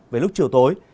về lúc chiều tối